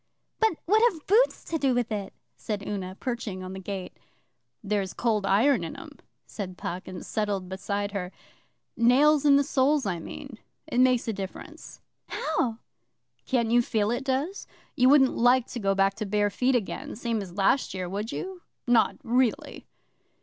'But what have boots to do with it?' said Una, perching on the gate. 'There's Cold Iron in them,' said Puck, and settled beside her. 'Nails in the soles, I mean. It makes a difference.' 'How?' 'Can't you feel it does? You wouldn't like to go back to bare feet again, same as last year, would you? Not really?